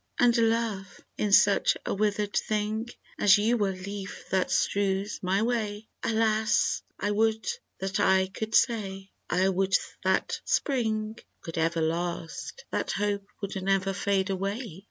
And Love, in such a wither'd thing As yon sere leaf that strews my way ? Alas ! I would that I could say ! I would that Spring could ever last, That Hope would never fade away.